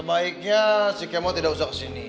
sebaiknya si kemot tidak usah kesini